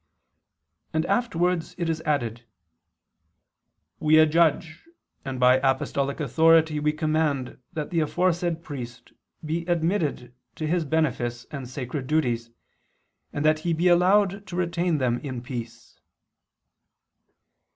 And afterwards it is added: "We adjudge and by apostolic authority we command that the aforesaid priest be admitted to his benefice and sacred duties, and that he be allowed to retain them in peace."